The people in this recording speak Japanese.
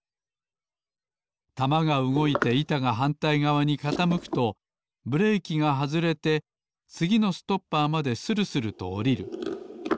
玉がうごいていたがはんたいがわにかたむくとブレーキがはずれてつぎのストッパーまでするするとおりる。